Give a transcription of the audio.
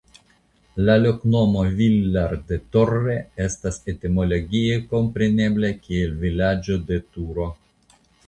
La loknomo "Villar de Torre" estas etimologie komprenebla kiel "Vilaĝo de Turo".